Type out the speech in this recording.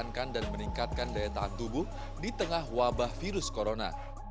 dan mempertahankan dan meningkatkan daya tahan tubuh di tengah wabah virus corona